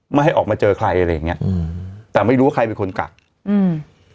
ไม่ให้ออกมาเจอใครอะไรอย่างเงี้ยอืมแต่ไม่รู้ว่าใครเป็นคนกักอืม